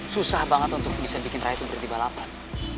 susah banget untuk bisa bikin ray tuh berhenti balapan